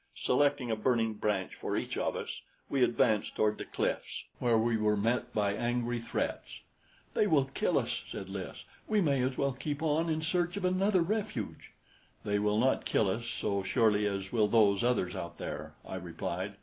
Selecting a burning branch for each of us, we advanced toward the cliffs, where we were met by angry threats. "They will kill us," said Lys. "We may as well keep on in search of another refuge." "They will not kill us so surely as will those others out there," I replied.